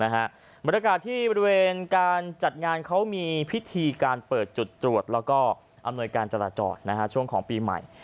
บรรยากาศที่บริเวณการจัดงานเขามีพิธีการเปิดจุดตรวจแล้วก็อำนวยการจราจรช่วงของปีใหม่